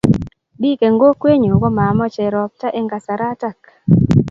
Biik eng kokwenyu komamochei ropta eng kasaratak.